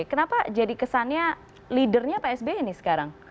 kenapa jadi kesannya leadernya pak sbe ini sekarang